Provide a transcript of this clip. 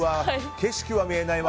景色は見えないわ